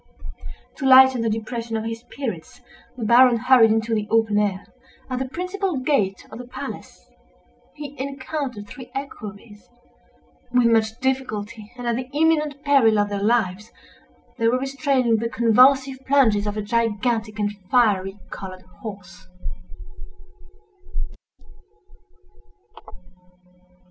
To lighten the depression of his spirits, the Baron hurried into the open air. At the principal gate of the palace he encountered three equerries. With much difficulty, and at the imminent peril of their lives, they were restraining the convulsive plunges of a gigantic and fiery colored horse.